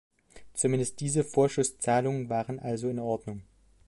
Zumindest diese Vorschusszahlungen waren also in Ordnung.